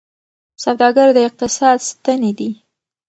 سوداګر د اقتصاد ستني دي.